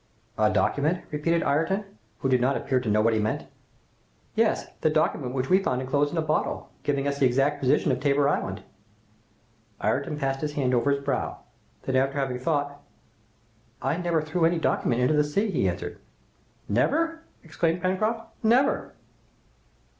"A document?" repeated Ayrton, who did not appear to know what he meant. "Yes, the document which we found enclosed in a bottle, giving us the exact position of Tabor Island!" Ayrton passed his hand over his brow, then after having thought, "I never threw any document into the sea!" he answered. "Never?" exclaimed Pencroft. "Never!"